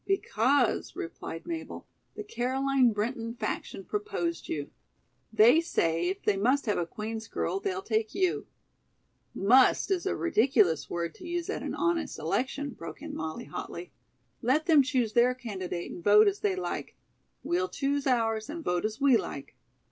"Because," replied Mabel, "the Caroline Brinton faction proposed you. They say, if they must have a Queen's girl, they'll take you." "'Must' is a ridiculous word to use at an honest election," broke in Molly hotly. "Let them choose their candidate and vote as they like. We'll choose ours and vote as we like."